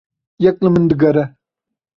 Yek li min digere.